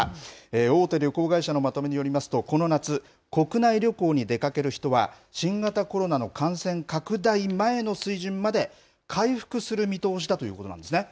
大手旅行会社のまとめによりますとこの夏、国内旅行に出かける人は新型コロナの感染拡大前の水準まで回復する見通しだということなんですね。